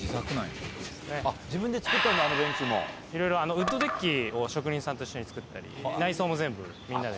ウッドデッキを職人さんと一緒に造ったり内装も全部みんなで。